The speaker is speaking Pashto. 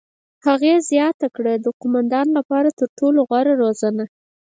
هغې زیاته کړه: "د قوماندان لپاره تر ټولو غوره روزنه.